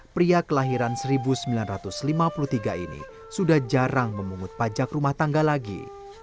pria kelahiran seribu sembilan ratus lima puluh tiga ini sudah jarang memungut pajak rumah tangga lagi